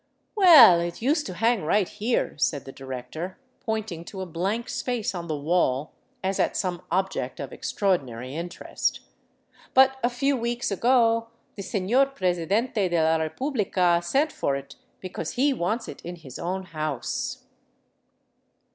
" Well, it used to hang right here," said the director, pointing to a blank space on the wall, as at some object of extraordinary interest. " But a few weeks ago the Senor Presidente de la Republica sent for it, because he wants it in his own house."